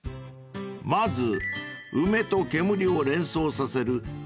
［まず梅と烟を連想させる